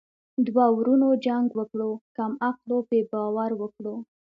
دوه ورونو جنګ وکړو کم عقلو پري باور وکړو.